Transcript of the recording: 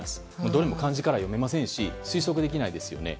どれも漢字からは読めませんし推測できないですよね。